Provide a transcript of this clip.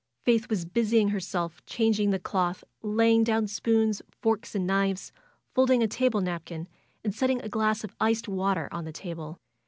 Faith was busying herself changing the cloth, laying down spoons, forks and knives, folding a table napkin and setting a glass of iced water on the table.